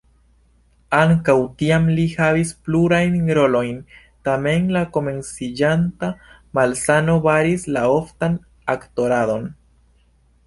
Ankaŭ tiam li havis plurajn rolojn, tamen la komenciĝanta malsano baris la oftan aktoradon.